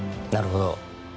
なるほど。